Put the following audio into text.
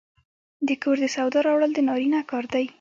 د کور د سودا راوړل د نارینه کار دی.